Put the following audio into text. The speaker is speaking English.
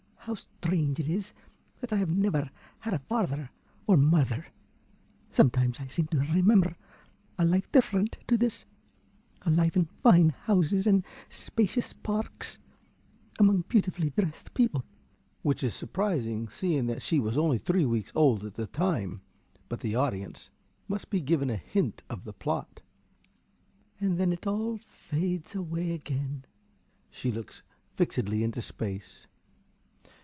How strange it is that I have never had a father or mother. Sometimes I seem to remember a life different to this a life in fine houses and spacious parks, among beautifully dressed people (_which is surprising seeing that she was only three weeks old at the time; but the audience must be given a hint of the plot_), and then it all fades away again. (_She looks fixedly into space.